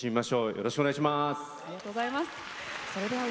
よろしくお願いします。